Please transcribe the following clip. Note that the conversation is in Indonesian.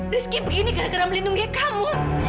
rizki begini gara gara melindungi kamu